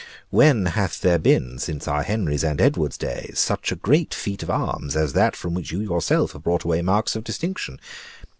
When hath there been, since our Henrys' and Edwards' days, such a great feat of arms as that from which you yourself have brought away marks of distinction?